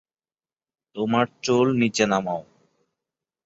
তোমার চুল নিচে নামাও।